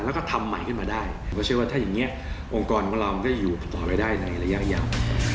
แล้วก็ทำใหม่ขึ้นมาได้เพราะเชื่อว่าถ้าอย่างนี้องค์กรของเราก็อยู่ต่อไปได้ในระยะยาว